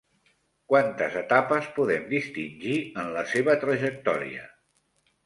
Quantes etapes podem distingir en la seva trajectòria?